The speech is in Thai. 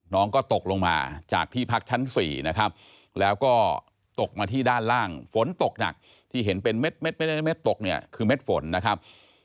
น้องก็ตกลงมาจากที่พักชั้น๔นะครับแล้วก็ตกมาที่ด้านล่างฝนตกหนักที่เห็นเป็นเม็ดตกเนี่ยคือเม็ดฝนนะครับ